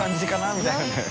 みたいなね。